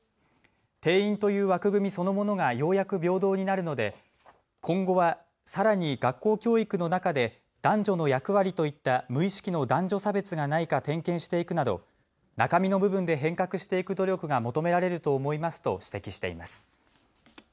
定員という枠組みそのものがようやく平等になるので今後はさらに学校教育の中で男女の役割といった無意識の男女差別がないか点検していくなど中身の部分で変革していく努力が求められると思いますと指摘しています。